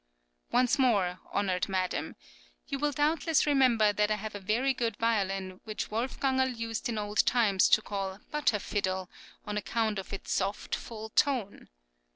Once more, honoured madam! You will doubtless remember that I have a very good violin which Wolfgangerl used in old times to call "Butter fiddle," on account of its soft, full tone.